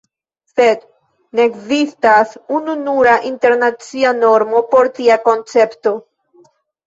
Sed ne ekzistas ununura internacia normo por tia koncepto.